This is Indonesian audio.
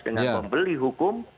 dengan membeli hukum